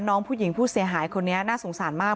น้องผู้หญิงผู้เสียหายคนนี้น่าสงสารมาก